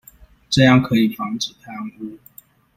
這樣可以防止貪污